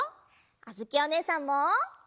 あづきおねえさんも！